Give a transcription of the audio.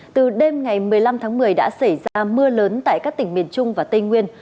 từ đêm ngày một mươi năm tháng một mươi đã xảy ra mưa lớn tại các tỉnh miền trung và tây nguyên